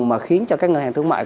mà khiến cho các ngân hàng thương mại